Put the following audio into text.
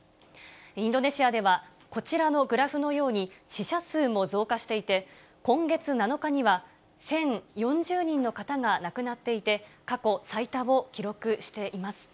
インドネシアでは、こちらのグラフのように、死者数も増加していて、今月７日には、１０４０人の方が亡くなっていて、過去最多を記録しています。